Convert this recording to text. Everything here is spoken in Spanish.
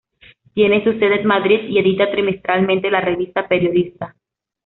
Tiene su sede en Madrid y edita, trimestralmente, la revista "Periodistas".